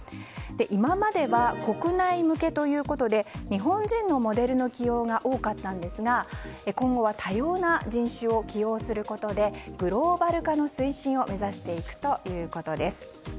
今までは、国内向けということで日本人のモデルの起用が多かったんですが今後は多様な人種を起用することでグローバル化の推進を目指していくということです。